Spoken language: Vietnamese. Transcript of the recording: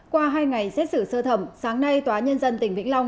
qua hai ngày xét xử sơ thẩm sáng nay tòa nhân dân tỉnh vĩnh long